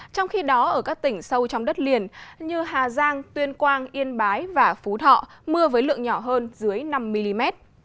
trong khi đó ở các tỉnh sâu trong đất liền như hà giang tuyên quang yên bái và phú thọ mưa với lượng nhỏ hơn dưới năm mm